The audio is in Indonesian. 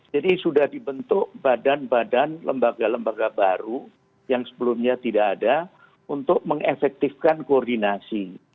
jadi sudah dibentuk badan badan lembaga lembaga baru yang sebelumnya tidak ada untuk mengefektifkan koordinasi